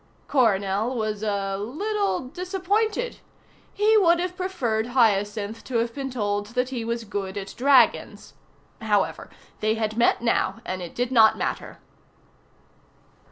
Coronel was a little disappointed. He would have preferred Hyacinth to have been told that he was good at dragons. However, they had met now and it did not matter.